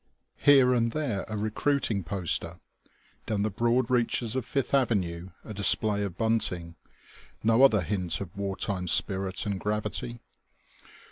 Here and there a recruiting poster, down the broad reaches of Fifth Avenue a display of bunting, no other hint of war time spirit and gravity....